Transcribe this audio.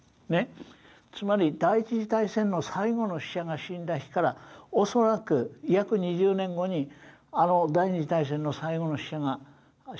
つまり第１次大戦の最後の死者が死んだ日から恐らく約２０年後にあの第２次大戦の最後の人が死ぬんです。